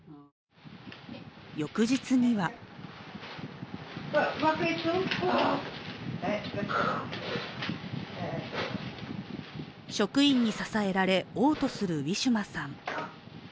翌日には職員に支えられ、おう吐するウィシュマさん。